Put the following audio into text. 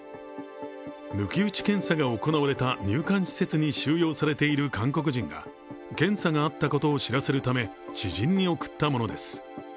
抜き打ち検査が行われた入管施設に収容されている韓国人が検査があったことを知らせるため知人に送ったものです。